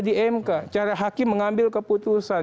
di mk cara hakim mengambil keputusan